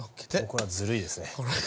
これはずるいですね。